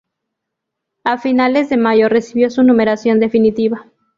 A finales de mayo recibió su numeración definitiva.